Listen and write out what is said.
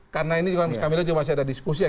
karena ini juga mas kamil juga masih ada diskusi ya